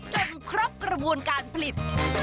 ครบกระบวนการผลิต